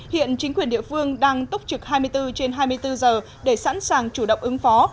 hiện chính quyền địa phương đang túc trực hai mươi bốn trên hai mươi bốn giờ để sẵn sàng chủ động ứng phó